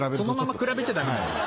そのまま比べちゃダメなの。